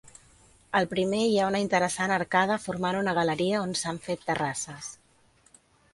Al primer hi ha una interessant arcada formant una galeria on s'han fet terrasses.